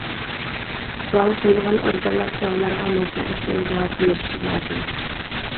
سوئال قويۇلغان ئورگانلار سوئاللارغا مەسئۇللۇق بىلەن جاۋاب بېرىشى لازىم.